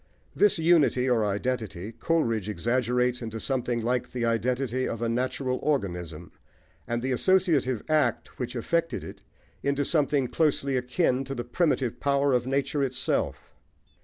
This unity or identity Coleridge exaggerates into something like the identity of a natural organism, and the associative act which effected it into something closely akin to the primitive power of nature itself.